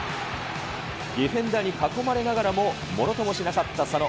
ディフェンダーに囲まれながらも、ものともしなかった佐野。